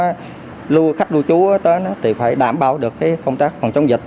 trong quá trình khách lưu trú tới thì phải đảm bảo được công tác phòng chống dịch